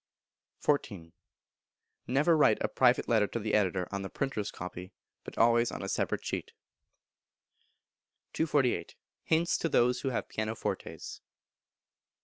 xiv. Never write a private letter to the editor on the printer's copy, but always on a separate sheet. 248. Hints to those who have Pianofortes.